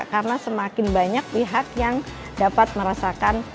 karena semakin banyak pihak yang dapat merasakan